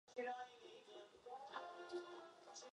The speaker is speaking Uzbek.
Nurab, tutday toʻkilay deb turgani oy nurida aniq koʻrinadi…